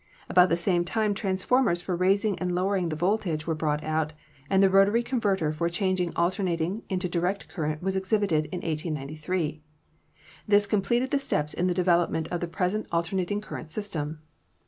About the same time transformers for raising and lowering the voltage were brought out, and the rotary converter for changing alternating into direct current was exhibited in 1893. This completed the steps in the devel opment of the present alternating current system.